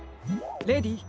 レディー。